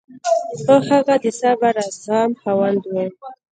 خو هغه د صبر او زغم خاوند و.